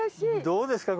どうですか？